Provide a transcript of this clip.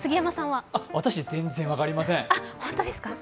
私、全然分かりません。